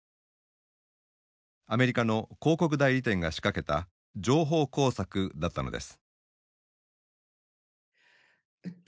アメリカの広告代理店が仕掛けた情報工作だったのです。